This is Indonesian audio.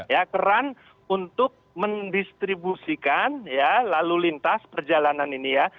ya keran untuk mendistribusikan ya lalu lintas perjalanan ini ya